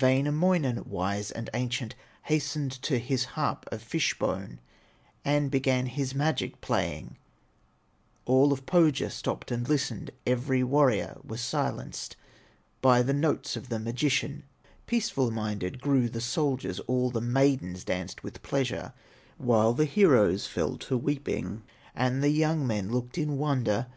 Wainamoinen, wise and ancient, Hastened to his harp of fish bone, And began his magic playing; All of Pohya stopped and listened, Every warrior was silenced By the notes of the magician; Peaceful minded grew the soldiers, All the maidens danced with pleasure, While the heroes fell to weeping, And the young men looked in wonder.